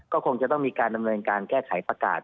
ก็คงจะต้องมีการดำเนินการแก้ไขประกาศ